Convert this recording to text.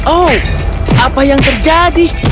oh apa yang terjadi